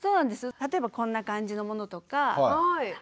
例えばこんな感じのものとか。